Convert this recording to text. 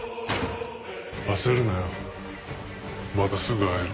焦るなよまたすぐ会える。